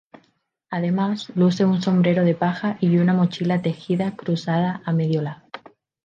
Además, luce un sombrero de paja y una mochila tejida cruzada a medio lado.